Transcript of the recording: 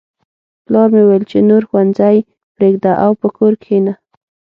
پلار مې وویل چې نور ښوونځی پریږده او په کور کښېنه